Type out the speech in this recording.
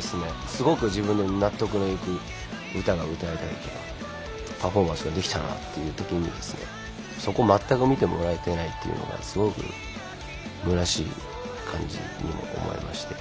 すごく自分でも納得のいく歌が歌えたりパフォーマンスができたなという時にですねそこ全く見てもらえてないっていうのがすごくむなしい感じに思えまして。